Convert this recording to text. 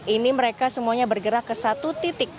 ini mereka semuanya bergerak ke satu titik